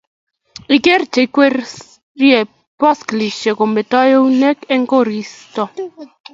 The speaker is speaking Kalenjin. igeere che igwerie pikipikishek kometoi eunek eng koristo